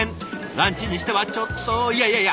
ランチにしてはちょっといやいやいや